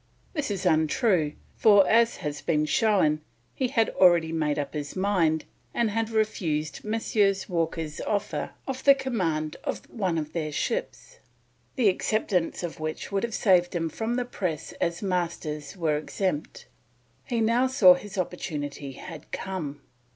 This is untrue, for, as has been shown, he had already made up his mind and had refused Messrs. Walker's offer of the command of one of their ships, the acceptance of which would have saved him from the press as Masters were exempt. He now saw his opportunity had come.